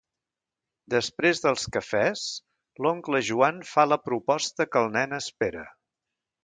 Després dels cafès l'oncle Joan fa la proposta que el nen espera.